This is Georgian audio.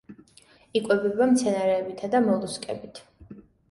იკვებება მცენარეებითა და მოლუსკებით.